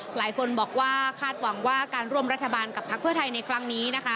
หลายคนบอกว่าคาดหวังว่าการร่วมรัฐบาลกับพักเพื่อไทยในครั้งนี้นะคะ